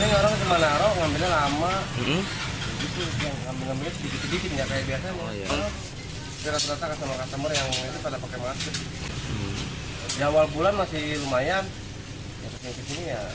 menurut keterangan pengusaha jasa laundry konsumen memilih mencuci sendiri pakaiannya untuk mencegah penyebaran covid sembilan belas